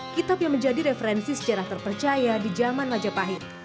kitab yang menjadi referensi sejarah terpercaya di zaman majapahit